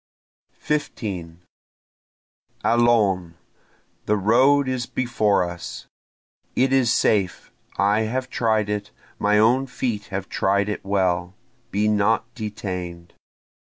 15 Allons! the road is before us! It is safe I have tried it my own feet have tried it well be not detain'd!